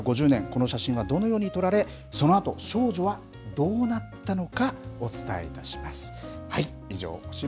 米軍撤退から５０年、この写真はどのように撮られ、そのあと少女はどうなったのか、お伝えいたします。